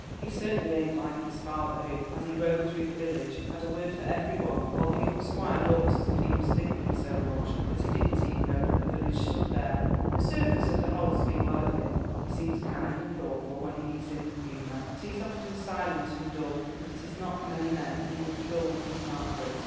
He certainly ain't like his father, who, as he rode through the village, had a word for every one; while the young Squire looks as if he was thinking so much that he didn't even know that the village stood here. The servants of The Hold speak well of him he seems kind and thoughtful when he is in the humour, but he is often silent and dull, and it is not many men who would be dull with Miss Margaret.